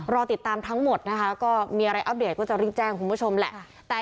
รอติดตามทั้งหมดนะคะก็มีอะไรอัปเดตก็จะรีบแจ้งคุณผู้ชมแหละ